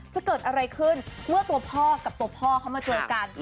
จะเกิดอะไรขึ้นเมื่อตัวพ่อกับตัวพ่อเขามาเจอกัน